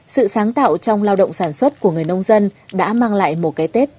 sự sáng tạo trong lao động sản xuất của người nông dân đã mang lại một cái tết đẹp hơn cho đời